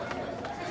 先生！